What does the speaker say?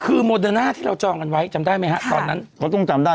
คือโมเดอร์น่าที่เราจองกันไว้จำได้ไหมฮะตอนนั้นเขาต้องจำได้